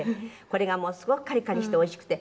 これがものすごくカリカリして美味しくて。